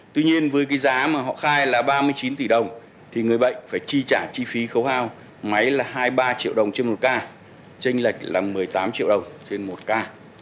tuy nhiên với cái giá mà họ khai là ba mươi chín tỷ đồng thì người bệnh phải chi trả chi phí khấu hao máy là hai mươi ba triệu đồng trên một ca tranh lệch là một mươi tám triệu đồng trên một ca